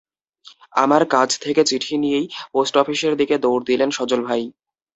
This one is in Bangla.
আমার কাছ থেকে চিঠি নিয়েই পোস্ট অফিসের দিকে দৌড় দিলেন সজল ভাই।